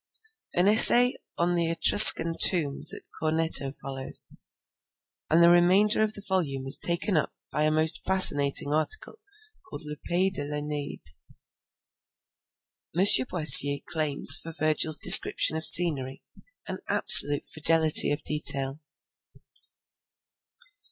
An essay on the Etruscan tombs at Corneto follows, and the remainder of the volume is taken up by a most fascinating article called Le Pays de l'Eneide. M. Boissier claims for Virgil's descriptions of scenery an absolute fidelity of detail.